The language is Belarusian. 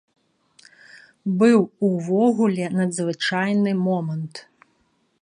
Быў увогуле надзвычайны момант.